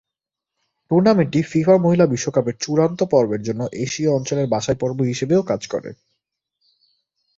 টুর্নামেন্টটি FIFA মহিলা বিশ্বকাপের চূড়ান্ত পর্বের জন্য এশীয় অঞ্চলের বাছাই পর্ব হিসেবেও কাজ করে।